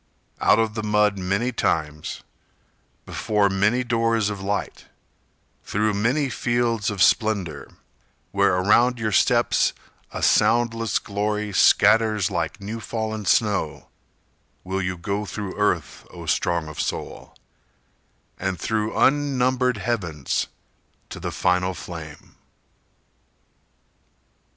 Out of the mud many times Before many doors of light Through many fields of splendor, Where around your steps a soundless glory scatters Like new fallen snow, Will you go through earth, O strong of soul, And through unnumbered heavens To the final flame!